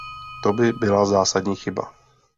To by byla zásadní chyba.